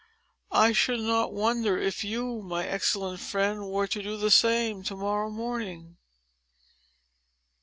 I should not wonder if you, my excellent friend, were to do the same, to morrow morning."